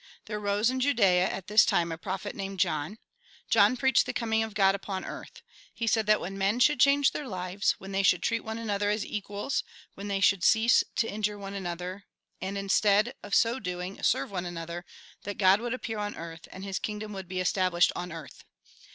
There arose in Juda?a, at this time, a prophet named John. John preached the coming of God upon earth. He said that when men should change their lives, when they should treat one another as equals, when tlipy should cease to injure one another, and, instead of so doing, serve one another, then God would appear upon earth, and His king dom would be established on earth.